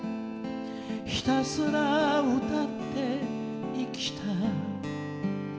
「ひたすら歌って生きた」